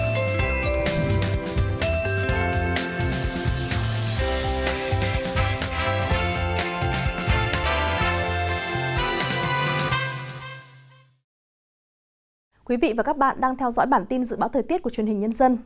thưa quý vị và các bạn đang theo dõi bản tin dự báo thời tiết của truyền hình nhân dân